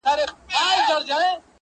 پر ښار ختلې د بلا ساه ده!!